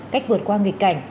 cách vượt qua nghịch cảnh